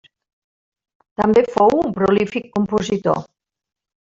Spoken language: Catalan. També fou un prolífic compositor.